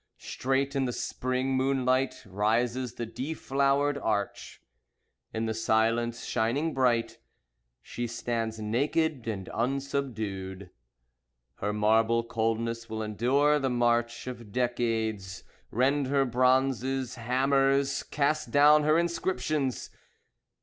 Straight, in the Spring moonlight, Rises the deflowered arch. In the silence, shining bright, She stands naked and unsubdued. Her marble coldness will endure the march Of decades. Rend her bronzes, hammers; Cast down her inscriptions.